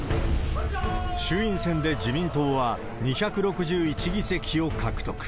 衆院選で自民党は２６１議席を獲得。